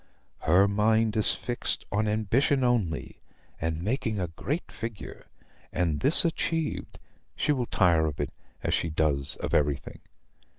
Her mind is fixed on ambition only, and making a great figure; and, this achieved, she will tire of it as she does of everything.